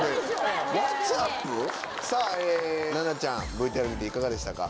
さぁ七菜ちゃんＶＴＲ見ていかがでしたか？